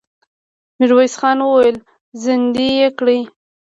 ميرويس خان وويل: زندۍ يې کړئ!